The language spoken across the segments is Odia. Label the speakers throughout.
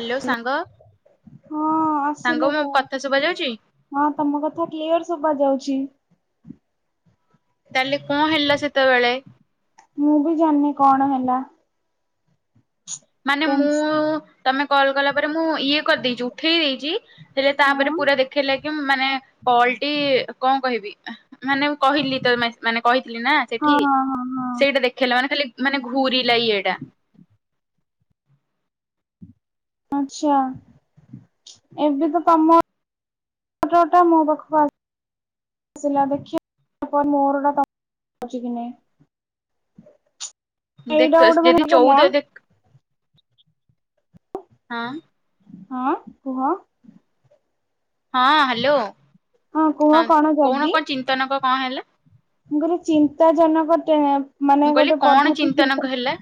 Speaker 1: ହାଲୋ ସାଙ୍ଗ
Speaker 2: ହଁ
Speaker 1: ସାଙ୍ଗ
Speaker 2: ଆସିଲା
Speaker 1: ମୋ
Speaker 2: ତ
Speaker 1: କଥା ଶୁଭା ଯାଉଛି
Speaker 2: ହଁ ତମ କଥା କ୍ଲିୟର ଶୁଭା ଯାଉଛି।
Speaker 1: ତାହେଲେ କଣ ହେଲା ସେତେବେଳେ?
Speaker 2: ମୁଁ ବି ଜାଣିନି କଣ ହେଲା
Speaker 1: ମାନେ ମୁଁ
Speaker 2: ଟେନ୍ସ
Speaker 1: ତମେ କଲ କଲା ପରେ ମୁଁ ଇଏ କରିଦେଇଚି ଉଠେଇ ଦେଇଚି। ହେଲେ ତାପରେ
Speaker 2: ହଁ
Speaker 1: ପୁରା ଦେଖେଇଲା କି ମାନେ କଲଟି କଣ କହିବି ମାନେ ମୁଁ କହିଲି ତ ମାନେ କହିଥିଲି ନା
Speaker 2: ହଁ
Speaker 1: ସେଠି
Speaker 2: ହଁ ହଁ ହଁ
Speaker 1: ସେଇଟା ଦେଖେଇଲା ମାନେ ଖାଲି ମାନେ ଘୁରିଲା ଇଏଟା
Speaker 2: ଆଛା ଏବେ ତ ତମ ଫୋଟଟା ମୋ ପାଖକୁ ଆସ ସିଲା ଦେଖ [unintelligible] ତାପରେ ମୋର ଟା [unintelligible] ଯାଉଚି କି ନାଇଁ। ଏଇଟା
Speaker 1: ଦେଖ
Speaker 2: ଗୋଟେ ମାନେ
Speaker 1: ଯଦି
Speaker 2: ଗଲା
Speaker 1: ଚଉଦ ଦେଖ ହଁ।
Speaker 2: ହଁ କୁହ?
Speaker 1: ହଁ ହାଲୋ
Speaker 2: କୁହ
Speaker 1: ହଁ
Speaker 2: କଣ
Speaker 1: କୋହୁନ କଣ ଚିନ୍ତନକ କଣ ହେଲା?
Speaker 2: ଗୁରେ ଚିନ୍ତା ଜନକ ଟେ
Speaker 1: ମୁଁ
Speaker 2: ମାନେ
Speaker 1: କହିଲି
Speaker 2: ଗୋଟେ
Speaker 1: କଣ
Speaker 2: ପଦ୍ଧତି ହୁଁ
Speaker 1: ଚିନ୍ତନକ
Speaker 2: ହୁଁ
Speaker 1: ହେଲା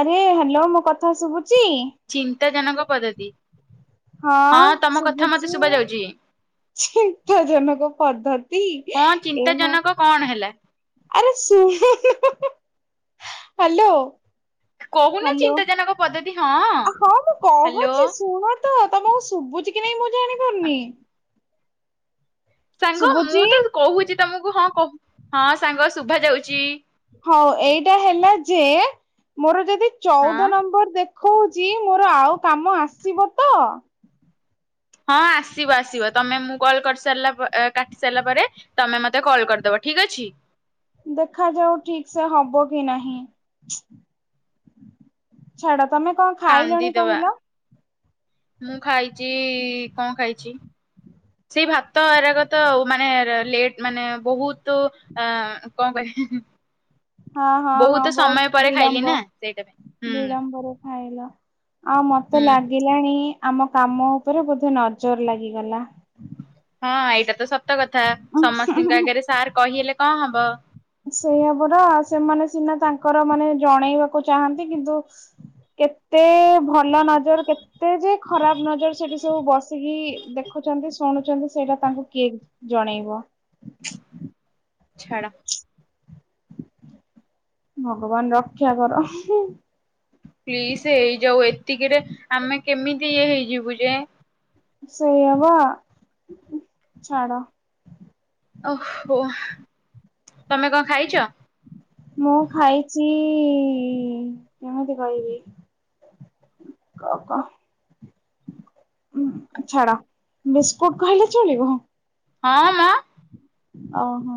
Speaker 2: ଆରେ ହାଲୋ ମୋ କଥା ସବୁ
Speaker 1: ଚିନ୍ତାଜନକ ପଦ୍ଧତି ହଁ ତମ କଥା ମତେ ଶୁଭା ଯାଉଚି।
Speaker 2: ଚିନ୍ତାଜନକ ପଦ୍ଧତି
Speaker 1: କଣ
Speaker 2: ଏ ମ
Speaker 1: ଚିନ୍ତାଜନକ କଣ ହେଲା?
Speaker 2: ଆରେ ଶୁଣୁ ହୁଁ ହୁଁ ନ ହାଲୋ
Speaker 1: କହୁନ
Speaker 2: ହାଲୋ
Speaker 1: ଚିନ୍ତାଜନକ ପଦ୍ଧତି ହଁ
Speaker 2: ହଁ ମୁଁ
Speaker 1: ହାଲୋ।
Speaker 2: କହୁଚି ଶୁଣ ତ ତମକୁ ଶୁଭୁଚି କି ନାଇଁ ମୁଁ ଜାଣିପାରୁନି।
Speaker 1: ସାଙ୍ଗ
Speaker 2: ଶୁଭୁଛି
Speaker 1: ମୁଁ ତ କହୁଚି ତମକୁ ହଁ କହୁ ହଁ ସାଙ୍ଗ ଶୁଭା ଯାଉଚି।
Speaker 2: ହଉ ଏଇଟା ହେଲା ଯେ ମୋର ଯଦି
Speaker 1: ହଁ
Speaker 2: ଚଉଦ ନମ୍ବର ଦେଖ ଖୋଉଚି ମୋର ଆଉ କାମ ଆସିବ ତ
Speaker 1: ହଁ ଆସିବ ଆସିବ ତମେ ମୁଁ କଲ କରିସାରିଲା ପରେ କାଟି ସାରିଲା ପରେ ତମେ ମତେ କଲ୍ କରିଦବ। ଠିକ ଅଛି।
Speaker 2: ଦେଖାଯାଉ ଠିକ ସେ ହବ କି ନାହିଁ। ଛାଡ ତମେ କଣ ଖାଇଲଣି
Speaker 1: କାନ୍ଦିଦବା
Speaker 2: କହିଲ?
Speaker 1: ମୁଁ ଖାଇଚି କଣ ଖାଇଚି ସେଇ ଭାତ ଏରାକ ତ ମାନେ ଲେଟ ମାନେ ବହୁତୁ କଣ କହିବି ହିଁ ହିଁ
Speaker 2: ହଁ ହଁ ହଁ
Speaker 1: ବହୁତ ସମୟ ପରେ ଖାଇଲି
Speaker 2: ବିଳମ୍ବ
Speaker 1: ନା ସେଇଟା ପାଇଁ ହୁଁ।
Speaker 2: ବିଳମ୍ବରେ ଖାଇଲ। ଆଉ ମତେ
Speaker 1: ହୁଁ
Speaker 2: ଲାଗିଲାଣି ଆମ କାମ ଉପରେ ବୋଧେ ନଜର ଲାଗିଗଲା।
Speaker 1: ହଁ ଏଇଟା ତ ସତ କଥା ସମସ୍ତିଙ୍କ ଆଗରେ ସାର୍ କହିଲେ କଣ ହବ
Speaker 2: ସେଇଆ ପରା ସେମାନେ ସିନା ତାଙ୍କର ମାନେ ଜଣେଇବାକୁ ଚାହାନ୍ତି କିନ୍ତୁ କେତେ ଭଲ ନଜର କେତେ ଯେ ଖରାପ ନଜର ସେଠି ସବୁ ବସିକି ଦେଖ ଖୁଚନ୍ତି ଶୁଣୁଚନ୍ତି ସେଇଟା ତାଙ୍କୁ କିଏ ଜଣେଇବ
Speaker 1: ଛାଡ
Speaker 2: ଭଗବାନ ରକ୍ଷା କର ହୁଁ ହୁଁ।
Speaker 1: ପ୍ଲିଜ ହେଇଯାଉ ଏତିକିରେ ଆମେ କେମିତି ଇଏ ହେଇଯିବୁ ଯେ
Speaker 2: ସେଇଆ ପା ଛାଡ
Speaker 1: ଓ ହୋ।
Speaker 2: ମୁଁ ଖାଇଚି କି କେମିତି କହିବି? କଣ କହ? ଛାଡା ବିସ୍କୁଟ କହିଲେ ଚଳିବ?
Speaker 1: ହଁ ମ।
Speaker 2: ଅ ହୋ।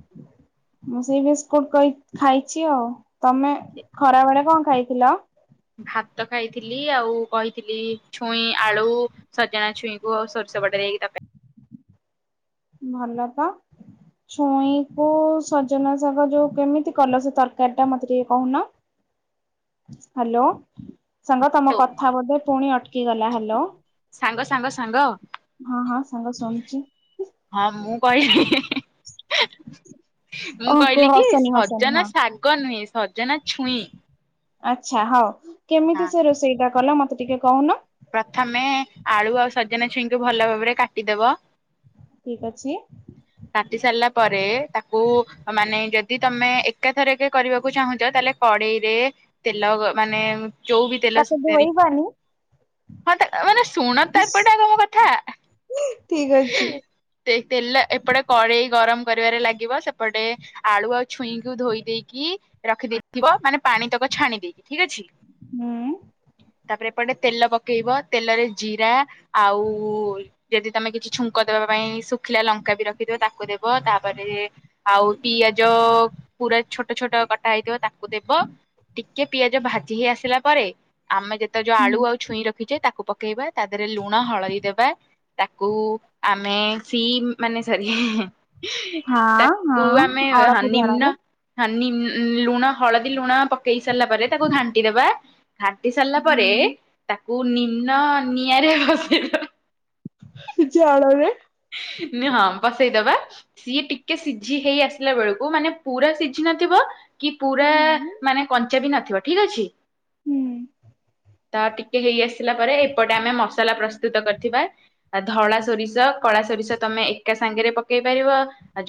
Speaker 1: [inaudible]
Speaker 2: ମୁଁ ସେଇ ବିସ୍କୁଟ କହି ଖାଇଛି ଆଉ ତମେ ଖରା ବେଳେ କଣ ଖାଇଥିଲ?
Speaker 1: ଭାତ ଖାଇଥିଲି ଆଉ କହିଥିଲି ଛୁଇଁ ଆଳୁ ସଜନା ଛୁଇଁଙ୍କୁ ଆଉ ସ ସବଟରେ କି ତରକାରି
Speaker 2: ଭଲ ତ। ଛୁଇଁ କୁ ସଜନା ଶାଗ ଯୋଉ କେମିତି କଲ ସେ ତରକାରୀ ଟା ମତେ ଟିକେ କହୁନ?
Speaker 1: [inaudible]
Speaker 2: ହାଲୋ ସାଙ୍ଗ ତମ
Speaker 1: ଆଉ
Speaker 2: କଥା ବୋଧେ ପୁଣି ଅଟକି ଗଲା ହାଲୋ।
Speaker 1: ସାଙ୍ଗ ସାଙ୍ଗ ସାଙ୍ଗ।
Speaker 2: ହଁ ସାଙ୍ଗ ଶୁଣୁଛି
Speaker 1: ହଁ ମୁଁ କହିଲି। ମୁଁ
Speaker 2: ଓ କୁହ
Speaker 1: କହିଲି କି
Speaker 2: ହସନି ହସନି
Speaker 1: ସଜନା
Speaker 2: ହଁ
Speaker 1: ଶାଗ ନୁହେଁ। ସଜନା ଛୁଇଁ।
Speaker 2: ଆଚ୍ଛା ହଉ
Speaker 1: ହଁ
Speaker 2: କେମିତି ସେ ରୋଷେଇଟା କଲ ମତେ ଟିକେ କହୁନ?
Speaker 1: ପ୍ରଥମେ ଆଳୁ ଆଉ ସଜନା ଛୁଇଁ କୁ ଭଲ ଭାବରେ କାଟିଦବ।
Speaker 2: ଠିକ ଅଛି।
Speaker 1: କାଟି ସାରିଲା ପରେ ତାକୁ ମାନେ ଯଦି ତମେ ଏକାଥରକେ କରିବାକୁ ଚାହୁଁଛ ତାହେଲେ କଡେଇରେ ତେଲ ଗ ମାନେ ଯୋଉ ବି ତେଲ
Speaker 2: ତାକୁ ଧୋଇବାନି।
Speaker 1: ହଁ ତା ମାନେ ଶୁଣ ତ ଏପଟେ ଆଗେ ମୋ କଥା।
Speaker 2: ଠିକ ଅଛି
Speaker 1: ସେ ତେଲ ଦେଇ ଗରମ କରିବାରେ ଲାଗିବ। ସେପଟେ ଆଳୁ ଆଉ ଛୁଇଁ କୁ ଧୋଇ ଦେଇେଇକି ରଖିଦେଇଥିବ। ମାନେ ପାଣି ତକ ଛାଣି ଦେଇକି ଠିକ ଅଛି।
Speaker 2: ହୁଁ।
Speaker 1: ତାପରେ ଏପଟେ ତେଲ ପକେଇବ ତେଲରେ ଜିରା ଆଉ ଯଦି ତମେ କିଛି ଛୁଙ୍କ ଦେବା ପାଇଁ ଶୁଖିଲା ଲଙ୍କା ରଖିଥିବ ତାକୁ ଦବ ତାପରେ ଆଉ ପିଆଜ ପୁରା ଛୋଟ ଛୋଟ କଟା ହେଇ ତାକୁ ଦେବ। ଟିକେ ପିଆଜ ଭାଜି ହେଇ ଆସିଲା ପରେ ଆମେ ଯେତେ ଯୋଉ ଆଳୁ ଆଉ ଛୁଇଁ ରଖିଛେ ତାକୁ ପକେଇବା। ତା ଦେହରେ ଲୁଣ, ହଳଇ ଦେବା ତାକୁ ଆମେ ସି ମାନେ ସରି
Speaker 2: ହଁ
Speaker 1: ତାକୁ
Speaker 2: ହଁ
Speaker 1: ଆମେ
Speaker 2: ଅଳପ
Speaker 1: ହାନିମନ
Speaker 2: ଜାଳରେ।
Speaker 1: ହାନି ଲୁଣ, ହଳଦୀ, ଲୁଣ ପକେଇ ସାରିଲା ପରେ ତାକୁ ଘାଣ୍ଟିଦବା। ଘାଟି ସାରିଲା ପରେ ତାକୁ ନିମ୍ନ ନିଆଁରେ ଭସାଇଦବା।
Speaker 2: ଜାଳରେ।
Speaker 1: [inaudible] ହଁ, ବସେଇଦବା ସିଏ ଟିକେ ସିଝି ହେଇ ଆସିଲା ବେଳକୁ ମାନେ ପୁରା ସିଝି ନଥିବ କି ପୁରା ମାନେ କଞ୍ଚା ବି ନଥିବ ଠିକ ଅଛି।
Speaker 2: ହୁଁ।
Speaker 1: ତ ଟିକେ ହେଇ ଆସିଲା ପରେ ଏପଟେ ଆମେ ମସଲା ପ୍ରସ୍ତୁତ କରିଥିବା ଧଳା ସୋରିଷ କଳା ସୋରିଷ ତମେ ଏକା ସାଙ୍ଗରେ ପକେଇ ପାରିବ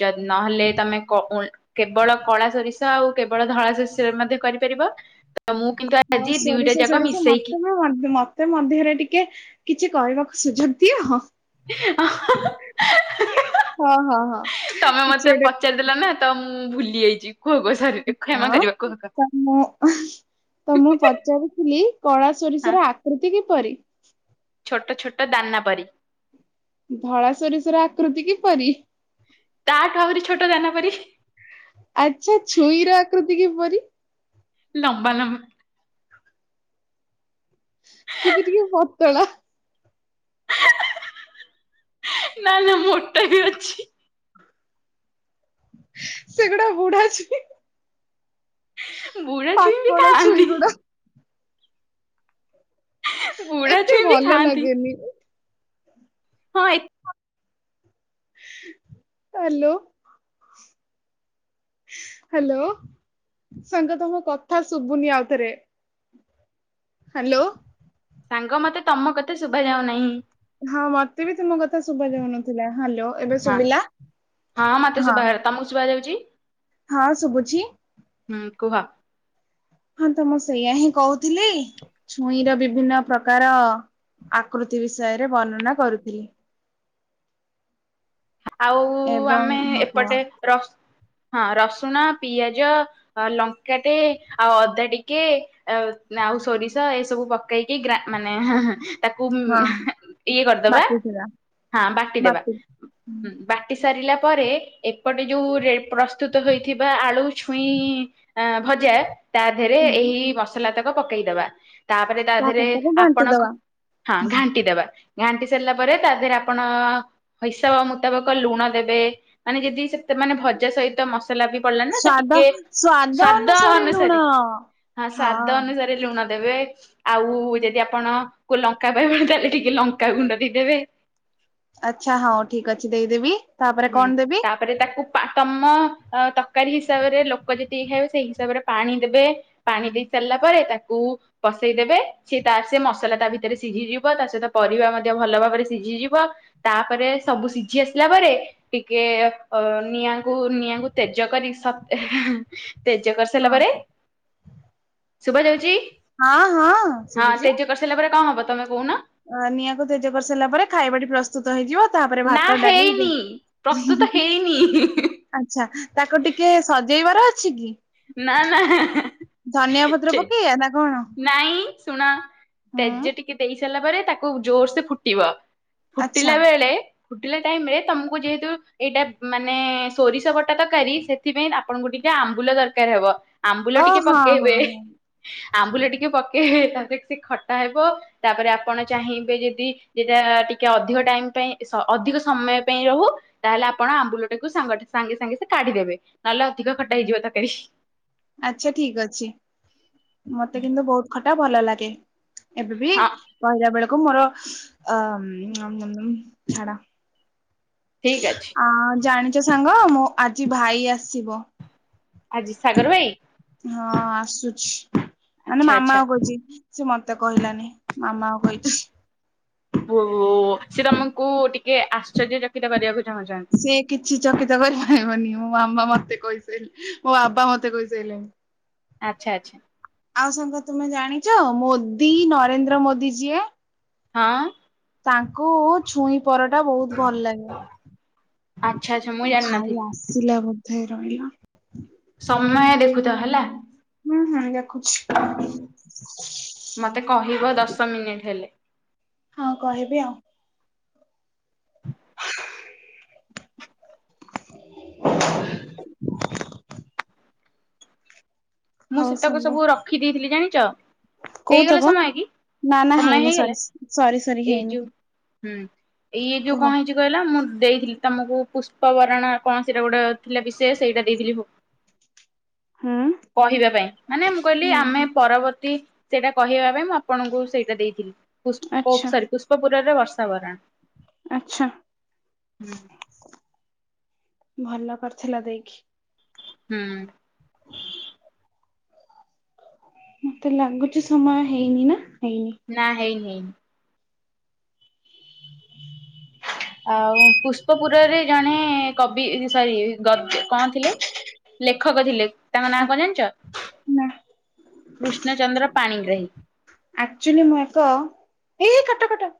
Speaker 1: ଯଦି ନହେଲେ ତମେ କୋ ଉ ଲ କେବଳ କଳା ସୋରିଷ ଆଉ କେବଳ ଧଳା ସୋରିଷରେ ମଧ୍ୟ କରିପାରିବ। ତ ମୁଁ କିନ୍ତୁ
Speaker 2: ହଁ
Speaker 1: ଆଜି ଦୁଇଟା
Speaker 2: ସୋରିଷ
Speaker 1: ଯାକ
Speaker 2: ସୋରିଷ
Speaker 1: ମିଶି
Speaker 2: ମତେ ବି ମତେ ମଧ୍ୟରେ ଟିକେ କିଛି କହିକୁ ସୁଯୋଗ ଦିଅ। ହଁ ହଁ ହଁ
Speaker 1: ତମେ ମତେ
Speaker 2: କିଛି ଗୋଟେ
Speaker 1: ପଚାରିଦେଲ ନା ତ ମୁଁ ଭୁଲି ଯାଇଛି କୁହ କୁହ ସରି କ୍ଷମା
Speaker 2: ହଁ
Speaker 1: କରିବ କୁହ କୁହ।
Speaker 2: ତ ମୁଁ ତ ମୁଁ ପଚାରୁଥିଲି କଳା
Speaker 1: ହଁ
Speaker 2: ସୋରିଷର ଆକୃତି କିପରି?
Speaker 1: ଛୋଟ ଛୋଟ ଦାନା ପରି।
Speaker 2: ଧଳା ସୋରିଷର ଆକୃତି କିପରି?
Speaker 1: ତାଠୁ ଆହୁରି ଛୋଟ ଦାନା ପରି।
Speaker 2: ଆଚ୍ଛା ଛୁଇଁର ଆକୃତି କିପରି?
Speaker 1: ଲମ୍ବା, ଲମ୍ବା।
Speaker 2: କିନ୍ତୁ ଟିକେ ପତଳା।
Speaker 1: ନା, ନା ମୋଟା ବି ଅଛି।
Speaker 2: ସେଗୁଡା ବୁଢା ଛୁଇଁ।
Speaker 1: ବୁଢା ଛୁଇଁ ବି
Speaker 2: ପାକଳ
Speaker 1: ଖାଆନ୍ତି।
Speaker 2: ଛୁଇଁ ଗୁଡା।
Speaker 1: ବୁଢା
Speaker 2: ଏତେ
Speaker 1: ଛୁଇଁ ବି
Speaker 2: ଭଲ
Speaker 1: ଖାଆନ୍ତି।
Speaker 2: ଲାଗେନି।
Speaker 1: ହଁ ହେଇ
Speaker 2: ହାଲୋ। ହାଲୋ ସାଙ୍ଗ ତମୋ କଥା ଶୁଭୁନି ଆଉ ଥରେ। ହାଲୋ।
Speaker 1: ସାଙ୍ଗ ମତେ ତମ କଥା ଶୁଭା ଯାଉନାହିଁ।
Speaker 2: ହଁ ମତେ ବି ତୁମ କଥା ଶୁଭା ଯାଉନଥିଲା। ହାଲୋ ଏବେ
Speaker 1: ହଁ
Speaker 2: ଶୁଭିଲା।
Speaker 1: ହଁ ମତେ ଶୁଭାଗଲା, ତମକୁ ଶୁଭା ଯାଉଛି।
Speaker 2: ହଁ ଶୁଭୁଛି।
Speaker 1: ହୁଁ କୁହ?
Speaker 2: ହଁ ତ ମୁଁ ସେଇୟା ହିଁ କହୁଥିଲି ଛୁଇଁ ର ବିଭିନ୍ନ ପ୍ରକାର ଆକୃତି ବିଷୟରେ ବର୍ଣ୍ଣନା କରୁଥିଲି।
Speaker 1: ଆଉ
Speaker 2: ଏବଂ
Speaker 1: ଆମେ
Speaker 2: ହଁ କୁହ
Speaker 1: ଏପଟେ ର ହଁ ରସୁଣ ପିଆଜ ଲଙ୍କାଟେ ଆଉ ଅଦା ଟିକେ ଆ ଆଉ ସୋରିଷ ଏସବୁ ପକେଇକି ଗ୍ର ମାନେ ତାକୁ
Speaker 2: ହଁ
Speaker 1: ଇଏ କରିଦବା,
Speaker 2: ବାଟି ଚୁରା
Speaker 1: ହଁ ବାଟିଦବା
Speaker 2: ବାଟି
Speaker 1: ବାଟି ସାରିଲା ପରେ, ଏପଟେ ଯୋଉ ରେ ପ୍ରସ୍ତୁତ ହୋଇଥିବା ଆଳୁଛୁଇଁଭଜା ତା ଦେହରେ
Speaker 2: ହୁଁ।
Speaker 1: ଏହି ମସଲା ତକ ପକେଇଦବା। ତାପରେ ତା ଦେହରେ
Speaker 2: ତାକୁ ଘାଣ୍ଟି
Speaker 1: ଆପଣ ଖ
Speaker 2: ଦବା
Speaker 1: ହଁ ଘାଣ୍ଟିଦେବା। ଘାଣ୍ଟି ସାରିଲା ପରେ ତା ଦେହରେ ଆପଣ ହିସାବ ମୁତାବକ ଲୁଣ ଦେବେ, ମାନେ ଯଦି ସେ ସେମାନେ ଭଜା ସହିତ ମସ ଲାଗିପଡିଲା ନା ତ ଟିକେ ସ୍ଵାଦ ଅନୁସାରେ ହଁ ସାଧା ଅନୁସାରେ ଲୁଣ ଦେବେ ଆଉ ଯଦି ଆପଣ ଲଙ୍କା ପାଇବେନି ତାହେଲେ ଟିକେ ଲଙ୍କାଗୁଣ୍ଡ ଦେଇଦେବେ।
Speaker 2: ଆଚ୍ଛା, ହଁ ଠିକ୍ ଅଛି ଦେଇଦେବି। ତାପରେ
Speaker 1: ହୁଁ
Speaker 2: କଣ ଦେବି?
Speaker 1: ତାପରେ ତାକୁ ପା ତମ ତରକାରୀ ହିସାବରେ ଲୋକ ଯେତିକି ଖାଇବେ ସେଇ ହିସାବରେ ପାଣି ଦେବେ, ପାଣି ଦେଇ ସାରିଲା ପରେ ତାକୁ ବସେଇଦେବେ, ସିଏ ତା ସେ ମସଲା ତା ଭିତରେ ସିଝିଯିବ ତା ସହିତ ପରିବା ମଧ୍ୟ ଭଲ ବ ପରେ ସିଝିଯିବ, ତାପରେ ସବୁ ସିଝି ଆସିଲା ପରେ ଟିକେ ଅ ନିଆଁକୁ ନିଆଁକୁ ତେଜ କରି ସତେ ହେଁ। ତେଜ କରିସାରିଲା
Speaker 2: ହଁ
Speaker 1: ପରେ, ଶୁଭାଯାଉଛି?
Speaker 2: ହଁ ହଁ
Speaker 1: ହଁ
Speaker 2: ଶୁଭୁଛି।
Speaker 1: ସେ ଯଉ କରିସାରିଲା ପରେ କଣ ହେବ?
Speaker 2: ଅ ନିଆଁକୁ ତେଜ କରିସାରିଲା ପରେ ଖାଇବାଟି ପ୍ରସ୍ତୁତ ହେଇଯିବ ତାପରେ
Speaker 1: ନା
Speaker 2: ଭାତ, ଡାଲି
Speaker 1: ହେଇନି ପ୍ରସ୍ତୁତ ହେଇନି, ହିମ
Speaker 2: ଆଚ୍ଛା ତାକୁ ଟିକେ ସଜେଇବାର ଅଛି କି?
Speaker 1: ନା ନା। ତେଜ
Speaker 2: [inaudible]
Speaker 1: ନାଇଁ ଶୁଣ
Speaker 2: ହୁଁ
Speaker 1: ତେଜ ଟିକେ ଦେଇ ସାରିଲା ପରେ, ତାକୁ ଜୋର ସେ ଫୁଟିବ।
Speaker 2: ଆଚ୍ଛା
Speaker 1: ଫୁଟିଲା ବେଳେ ଫୁଟିଲା ଟାଇମ ରେ ତମକୁ ଯେହେତୁ ଏଇଟା ମାନେ ସୋରିଷ ବ ଟା ତରକାରୀ, ସେଥିପାଇଁ ଆପଣଙ୍କୁ ଟିକେ ଆମ୍ବୁଲ ଦରକାର ହେବ। ଆମ୍ବୁଲ
Speaker 2: ଓ
Speaker 1: ଟିକେ
Speaker 2: ହଁ
Speaker 1: ପକେଇବେ,
Speaker 2: ହଁ ହଁ
Speaker 1: ଆମ୍ବୁଲ ଟିକେ ପ ସେ ତାପରେ କିଛି ଖଟା ହେବ, ତାପରେ ଆପଣ ଚାହିଁବେ ଯଦି ଯେଟା ଟିକେ ଅଧିକ ଟାଇମ୍ ପାଇଁ ସ ଅଧିକ ସମୟ ପାଇଁ ରହୁ, ତାହେଲେ ଆପଣ ଆମ୍ବୁଲ ଟାକୁ ସାଙ୍ଗରେ ସାଙ୍ଗେ ସାଙ୍ଗେ ସେ କାଢିଦବେ ନ ତାଲେ ଅଧିକ ଖଟା ହେଇଯିବ ତରକାରୀ।
Speaker 2: ଆଚ୍ଛା ଠିକ୍ ଅଛି ମତେ କିନ୍ତୁ ବହୁତ ଖଟା ଭଲ ଲାଗେ। ଏବେ ବି
Speaker 1: ହଁ
Speaker 2: କହିଲା ବେଳ କୁ ମୋର ଅ ଅମ ନମ‌ ଝାଡ
Speaker 1: ଠିକ ଅଛି
Speaker 2: ଆ ଜାଣିଛ ସାଙ୍ଗ ମୁଁ ଆଜି ଭାଇ ଆସିବ।
Speaker 1: ଆଜିି ସାଗର ଭାଇ!
Speaker 2: ହଁ ଆସୁଛି ମାନେ
Speaker 1: ଆଚ୍ଛା ଆଚ୍ଛା
Speaker 2: ମାମା କହୁଛି ସେ ମତେ କହିଲାନି। ମାମା କୁ କହିଛି।
Speaker 1: ଓହୋ ସେ ତମକୁ ଟିକେ ଆଶ୍ଚର୍ଯ୍ୟ ଚକିତ କରିଆକୁ
Speaker 2: ସିଏ କିଛି ଚକିତ କରିପାରିବନି। ମୋ ମାମା ମତେ କହିସାଇଲେ ମୋ ବାବା ମତେ କହିସାଇଲେଣି
Speaker 1: ଆଚ୍ଛା ଆଚ୍ଛା।
Speaker 2: ଆଉ ସାଙ୍ଗ ତୁମେ ଜାଣିଛ ମୋଦି ନରେନ୍ଦ୍ର ମୋଦି ଯିଏ।
Speaker 1: ହଁ।
Speaker 2: ତାଙ୍କୁ ଛୁଇଁପରଟା ବହୁତ ଭଲ ଲାଗେ।
Speaker 1: ଆଚ୍ଛା ଆଚ୍ଛା ମୁଁ
Speaker 2: ଭାଇ
Speaker 1: ଜାଣିନଥିଲି।
Speaker 2: ଆସିଲା ବୋଧେ ରହିଲ
Speaker 1: ସମୟ ଦେଖୁଥାଅ ହେଲା।
Speaker 2: ହୁଁ ହୁଁ ଦେଖୁଛି
Speaker 1: ମତେ କହିବ ଦଶ ମିନିଟ ହେଲେ।
Speaker 2: ହଁ କହିବି ଆଉ।
Speaker 1: [inaudible] ମୁଁ
Speaker 2: ହଉ
Speaker 1: ସେତକ
Speaker 2: ସାଙ୍ଗ
Speaker 1: ସବୁ ରଖିଦେଇଥିଲି ଜାଣିଛ! ହେଇଗଲା
Speaker 2: କହୁଥବ
Speaker 1: ସମୟ କି
Speaker 2: ନା ନା
Speaker 1: ସମୟ
Speaker 2: ହେଇନି ସରି
Speaker 1: ହେଇଗଲା
Speaker 2: ସରି ସରି
Speaker 1: ଏଇ
Speaker 2: ହେଇନି
Speaker 1: ଯୋଉ ହୁଁ ଇଏ ଯୋଉ
Speaker 2: କୁହ
Speaker 1: କଣ ହେଇଚି କହିଲା ମୁଁ ଦେଇଥିଲି ତମକୁ ପୁଷ୍ପ ବରାଣ କଣ ସେଇଟା ଗୋଟେ ଥିଲା ବିଷେୟ ସେଇଟା ଦେଇଥିଲି ହଉ।
Speaker 2: ହୁଁ।
Speaker 1: କହିବା ପାଇଁ ମାନେ ମୁଁ କହିଲି ଆମେ ପରବର୍ତ୍ତୀ ସେଇଟା କହିବା ପାଇଁ ମୁଁ ଆପଣଙ୍କୁ ସେଇଟା ଦେଇଥିଲି। ପୁଷ୍ପ
Speaker 2: ଆଚ୍ଛା
Speaker 1: ସରି ପୁଷ୍ପପୁରରେ ବର୍ଷା ବରାଣ
Speaker 2: ଆଛା ଭଲ କରିଥିଲ ଦେଇକି।
Speaker 1: ହୁଁ।
Speaker 2: ମତେ ଲାଗୁଚି ସମୟ ହେଇନି ନା? ହେଇନି
Speaker 1: ନା ହେଇନି। ଆଉ ପୁଷ୍ପପୁରରେ ଜଣେ କବି ସରି ଗଦ୍ୟ କଣ ଥିଲେ? ଲେଖକ ଥିଲେ ତାଙ୍କ ନାଁ
Speaker 2: ଆ
Speaker 1: କଣ ଜାଣିଚ?
Speaker 2: ନା
Speaker 1: କୃଷ୍ଣଚନ୍ଦ୍ର ପାଣିଗ୍ରାହୀ।
Speaker 2: ଆକ୍ଚୁଆଲି ମୁଁ ଏକ ଏଇ କାଟ କାଟ।